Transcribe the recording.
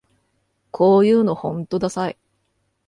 こういうのほんとダサい